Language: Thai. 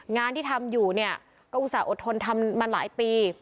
งานที่ทำอยู่เนี่ยก็อุตส่าหอดทนทำมาหลายปี